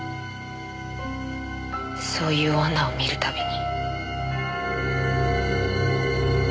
そういう女を見る度に。